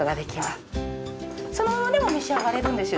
そのままでも召し上がれるんですよ